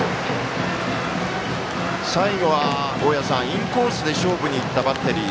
最後は、インコースで勝負にいったバッテリー。